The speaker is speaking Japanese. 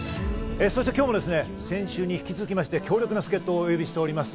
そして今日も先週に引き続きまして、強力な助っ人をお呼びしております。